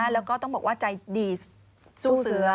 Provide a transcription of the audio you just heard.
แล้วก็ต้องบอกว่าใจดีสู้เสือ